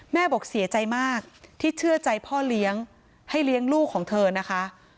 บอกเสียใจมากที่เชื่อใจพ่อเลี้ยงให้เลี้ยงลูกของเธอนะคะ